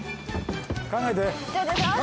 考えて。